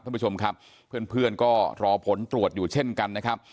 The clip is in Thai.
ท่านผู้ชมครับเพื่อนก็รอผลตรวจอยู่เช่นกันนะครับ